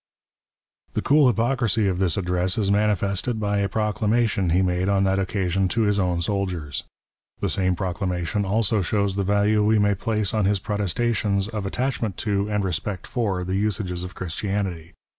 The cool hypocrisy of this Address is manifested by a proclamation he made on that occasion to his own soldiers. The same proclamation also shows the value we may place on his protestations of attachment to, and respect for, the usages of Christianity.